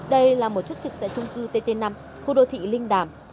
đây là một chốt trực tại trung cư tt năm khu đô thị linh đàm